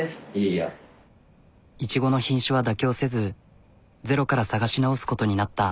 いちごの品種は妥協せずゼロから探し直すことになった。